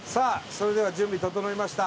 それでは準備整いました